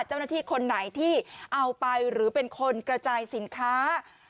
เจ้าหน้าที่คนไหนที่เอาไปหรือเป็นคนกระจายสินค้า